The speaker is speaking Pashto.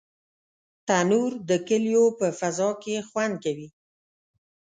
تنور د کلیو په فضا کې خوند کوي